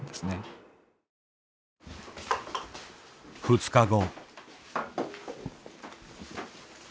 ２日後。